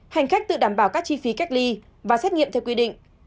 hành khách tự đảm bảo các chi phí cách ly và xét nghiệm theo quy định